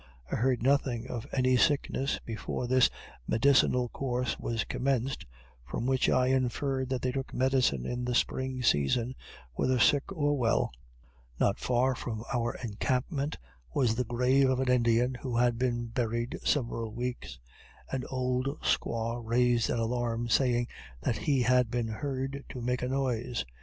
I heard nothing of any sickness before this medicinal course was commenced, from which I inferred that they took medicine in the spring season whether sick or well. Not far from our encampment was the grave of an Indian who had been buried several weeks. An old squaw raised an alarm, saying that he had been heard to make a noise.